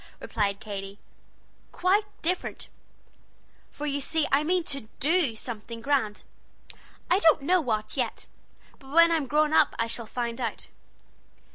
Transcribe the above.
replied Katy, "quite different; for you see I mean to do something grand. I don't know what, yet; but when I'm grown up I shall find out."